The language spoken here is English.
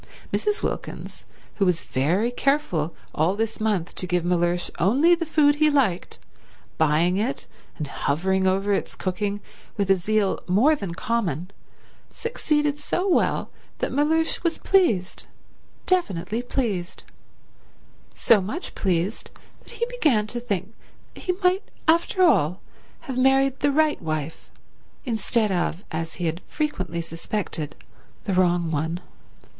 Mrs. Wilkins, who was very careful all this month to give Mellersh only the food he liked, buying it and hovering over its cooking with a zeal more than common, succeeded so well the Mellersh was pleased; definitely pleased; so much pleased that he began to think that he might, after all, have married the right wife instead of, as he had frequently suspected, the wrong one.